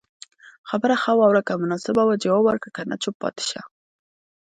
خبره خه واوره که مناسبه وه جواب ورکړه که نه چوپ پاتي شته